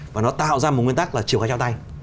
và nó tạo ra một nguyên tắc là chiều khai trao tay